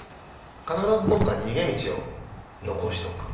必ずどっかに逃げ道を残しておく。